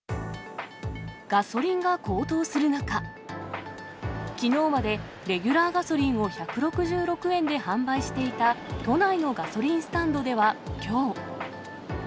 ガソリンが高騰する中、きのうまでレギュラーガソリンを１６６円で販売していた都内のガソリンスタンドではきょう。